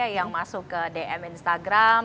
yang masuk ke dm instagram